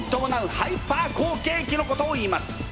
ハイパー好景気のことをいいます。